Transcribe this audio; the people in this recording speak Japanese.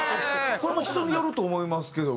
これも人によると思いますけども。